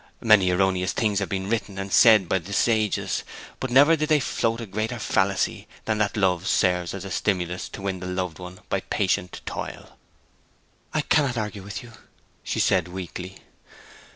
Many erroneous things have been written and said by the sages, but never did they float a greater fallacy than that love serves as a stimulus to win the loved one by patient toil.' 'I cannot argue with you,' she said weakly.